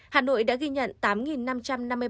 hà nội đã ghi nhận tám năm trăm linh